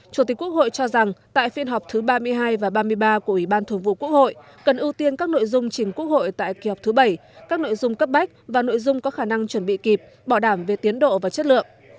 chủ tịch quốc hội cho rằng tại phiên họp thứ ba mươi hai và ba mươi ba của ủy ban thường vụ quốc hội cần ưu tiên các nội dung chính quốc hội tại kỳ họp thứ bảy các nội dung cấp bách và nội dung có khả năng chuẩn bị kịp bỏ đảm về tiến độ và chất lượng